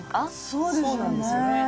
そうなんですよね。